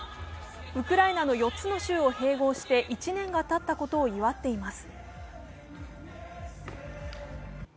ウクライナの４つの州を併合して１年がたったことを祝っています。